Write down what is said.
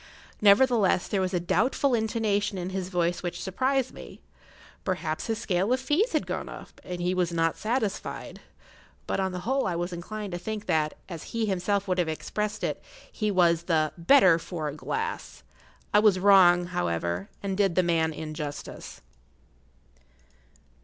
Nevertheless, there was a doubtful intonation in his voice which surprised me. Possibly his scale of fees had gone up, and he was not satisfied; but on the whole I was inclined to think that, as he himself would have expressed it, he was "the better for a glass." I was wrong, however, and did the man injustice.